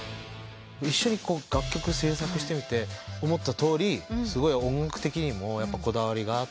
一緒に楽曲制作してみて思ったとおりすごい音楽的にもこだわりがあって。